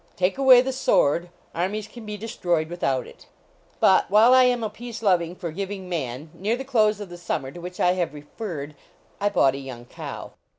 "Take away the sword; armies can be destroyed without it." But while I am a peace loving, forgiving man, near the close of the summer to which I have referred, I bought a young cow.